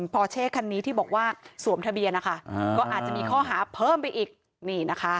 พอเช่คันนี้ที่บอกว่าสวมทะเบียนนะคะก็อาจจะมีข้อหาเพิ่มไปอีกนี่นะคะ